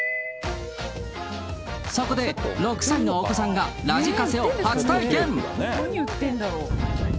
そこで、６歳のお子さんがラジカセを初体験。